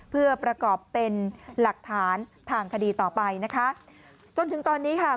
เพื่อประกอบเป็นหลักฐานทางคดีต่อไปนะคะจนถึงตอนนี้ค่ะ